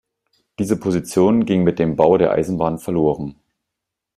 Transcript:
Diese Position ging mit dem Bau der Eisenbahn verloren.